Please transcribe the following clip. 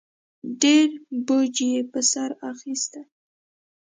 ډېر بوج یې په سر اخیستی